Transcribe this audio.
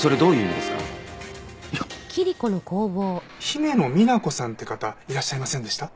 姫野美那子さんって方いらっしゃいませんでした？